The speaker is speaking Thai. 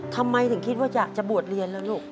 ทำไมถึงคิดว่าอยากจะบวชเรียนแล้วลูก